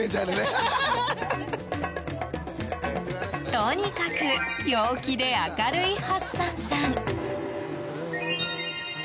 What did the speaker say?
とにかく、陽気で明るいハッサンさん。